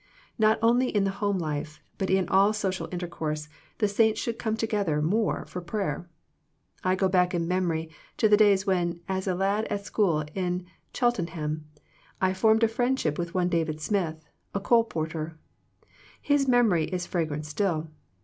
Not only in the home life, but in all social intercourse, the saints should come together more for prayer. I go back in memory to the days when, as a lad at school in Cheltenham, I formed a friendship with one David Smith, a colporteur. His memory is fragrant still.